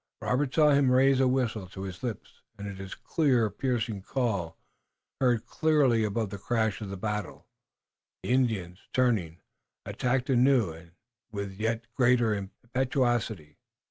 Robert saw him raise a whistle to his lips, and at its clear, piercing call, heard clearly above the crash of the battle, the Indians, turning, attacked anew and with yet greater impetuosity.